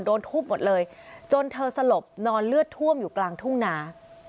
โดนทุบหมดเลยจนเธอสลบนอนเลือดท่วมอยู่กลางทุ่งนา